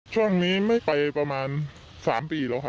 ช่วงนี้ไม่ไปประมาณ๓ปีแล้วครับ